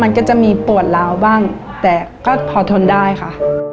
มันก็จะมีปวดล้าวบ้างแต่ก็พอทนได้ค่ะ